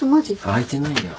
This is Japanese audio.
あいてないよ。